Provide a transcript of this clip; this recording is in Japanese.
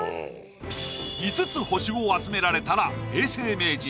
５つ星を集められたら永世名人。